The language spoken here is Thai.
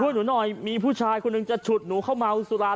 พวกหนูหน่อยมีผู้ชายคนนึงจะฉุดหนูเข้ามาอุตสุราชน์